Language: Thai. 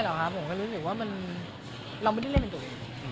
หรอกครับผมก็รู้สึกว่าเราไม่ได้เล่นเป็นตัวเอง